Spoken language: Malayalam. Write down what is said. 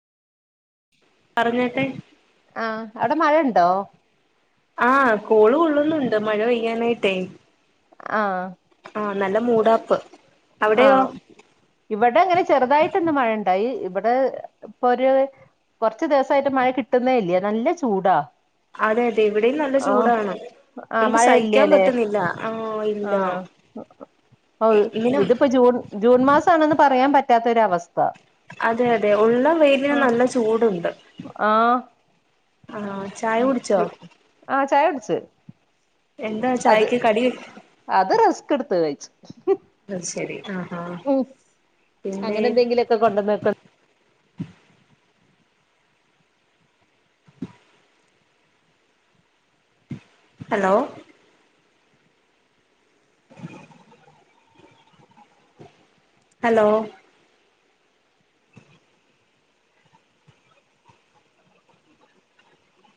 പറഞ്ഞ ആ അവിടെ മഴണ്ടോ ആ കോള് കൊള്ളുന്നുണ്ട് മഴ പെയ്യാനായിട്ടേ ആഹ് ആഹ് നല്ല മൂടാപ്പ് ആ അവിടെയോ ഇവ്ടെങ്ങനെ ചെറുതായിട്ടൊന്ന് മഴണ്ട് ഇവിടെ ഇപ്പൊ ഒരു കുറച്ച് ദിവസായിട്ട് മഴ കിട്ടുന്നേ ഇല്ല നല്ല ചൂടാ അതെ അതെ ഇവിടെയും നല്ല ആഹ് ചൂടാണ് ആഹ് നമുക്ക് മഴ സഹിക്കാൻ ഇല്ലല്ലേ പറ്റുന്നില്ല ആഹ് ഇല്ല ആഹ് ഇങ്ങനെ ഇതിപ്പോ ജൂൺ ജൂൺ മാസമാണെന്ന് പറയാൻ പറ്റാത്തൊരവസ്ഥ അതെ അതെ ഉള്ള വെയിലിന് ആഹ് നല്ല ചൂടുണ്ട് ആഹ് ചായ കുടിച്ചോ ആഹ് ചായ കുടിച്ചു എന്താ അത് ചായക്ക് കടി അത് റെസ്ക് എടുത്ത് കഴിച്ചു അത് ശരി ആഹ് ആഹ് ഉം പിന്നെ അങ്ങനെ എന്തെങ്കിലൊക്കെ കൊണ്ടന്നക്ക ഹലോ ഹലോ